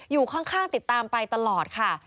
อยู่ข้างติดตามไปตลอดค่ะ